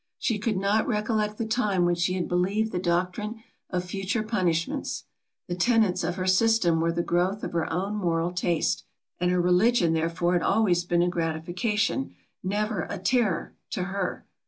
She could not recollect the time when she had believed the doctrine of future punishments. The tenets of her system were the growth of her own moral taste, and her religion therefore had always been a gratification, never a terror, to her.